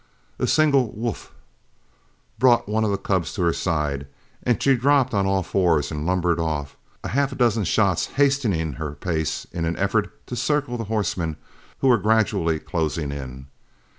A single "woof" brought one of the cubs to her side, and she dropped on all fours and lumbered off, a half dozen shots hastening her pace in an effort to circle the horsemen who were gradually closing in.